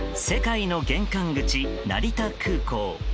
世界の玄関口、成田空港。